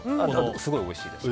すごいおいしいです。